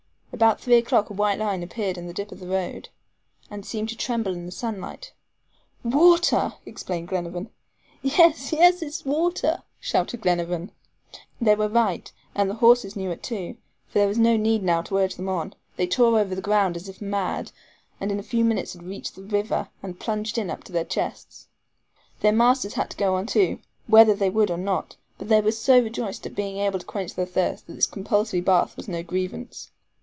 About three o'clock a white line appeared in a dip of the road, and seemed to tremble in the sunlight. "Water!" exclaimed Glenarvan. "Yes, yes! it is water!" shouted Robert. They were right; and the horses knew it too, for there was no need now to urge them on; they tore over the ground as if mad, and in a few minutes had reached the river, and plunged in up to their chests. Their masters had to go on too, whether they would or not but they were so rejoiced at being able to quench their thirst, that this compulsory bath was no grievance.